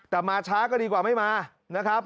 แต่มาช้าก็ดีกว่าไม่มานะครับ